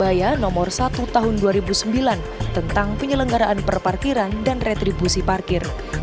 surabaya nomor satu tahun dua ribu sembilan tentang penyelenggaraan perparkiran dan retribusi parkir